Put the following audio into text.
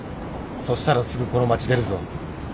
そしたらすぐこの街出るぞ。